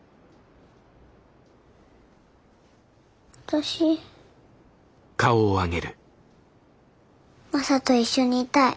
私マサと一緒にいたい。